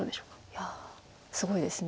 いやすごいです。